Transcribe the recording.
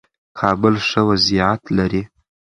کابل ښه وضعیت لري.